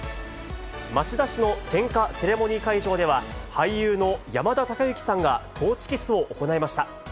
町田市の点火セレモニー会場では、俳優の山田孝之さんが、トーチキスを行いました。